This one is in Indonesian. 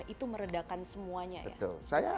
itu meredakan semuanya